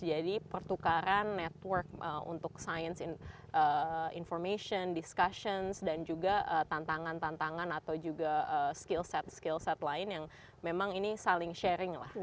jadi pertukaran network untuk science information discussions dan juga tantangan tantangan atau juga skill set skill set lain yang memang ini saling sharing lah